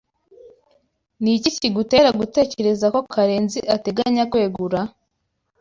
Ni iki kigutera gutekereza ko Karenzi ateganya kwegura?